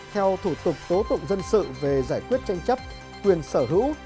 theo thủ tục tố tụng dân sự về giải quyết tranh chấp quyền sở hữu